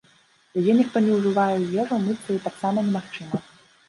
Яе ніхто не ўжывае ў ежу, мыцца ёй таксама немагчыма.